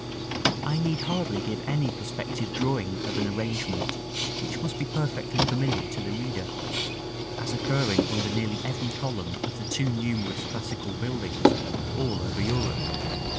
§ IV. I need hardly give any perspective drawing of an arrangement which must be perfectly familiar to the reader, as occurring under nearly every column of the too numerous classical buildings all over Europe.